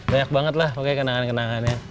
banyak banget lah pakai kenangan kenangannya